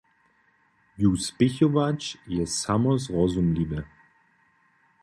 Ju spěchować je samozrozumliwe.